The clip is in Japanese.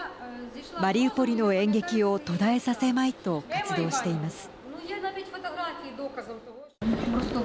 マリウポリの演劇を途絶えさせまいと活動しています。